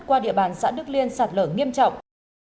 qua địa bàn xã đức liên sạt lở nghiêm trọng